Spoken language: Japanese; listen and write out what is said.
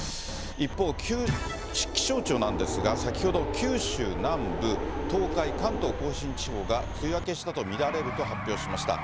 一方、気象庁なんですが、先ほど、九州南部、東海、関東甲信地方が梅雨明けしたと見られると発表しました。